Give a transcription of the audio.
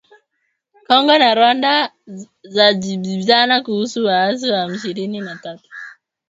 Kongo na Rwanda zajibizana kuhusu waasi wa M ishirini na tatu